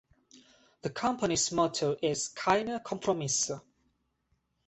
The company's motto is Keine Kompromisse!